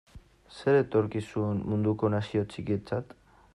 Zer etorkizun munduko nazio txikientzat?